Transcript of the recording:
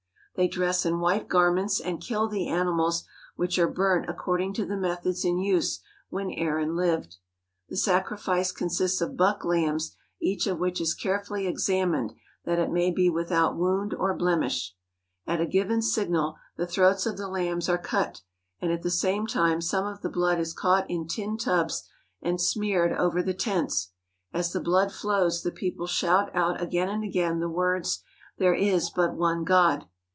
They dress in white garments and kill the animals which are burnt according to the methods in use when Aaron lived. The sacrifice consists of buck lambs each of which is carefully examined that it may be without wound or blemish. At a given signal the throats of the lambs are cut, and at the same time some of the blood is caught in tin tubs and smeared over the tents. As the blood flows the people shout out again and again the words " There is but one God."